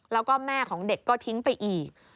แล้วก็แม่ของเด็กก็ทิ้งไปอีก